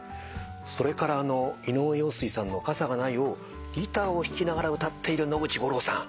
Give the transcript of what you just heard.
それから井上陽水さんの『傘がない』をギターを弾きながら歌っている野口五郎さん。